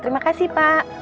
terima kasih pak